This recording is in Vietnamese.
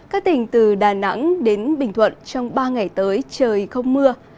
các tỉnh từ đà nẵng đến bình thuận trong ba ngày tới trời không mưa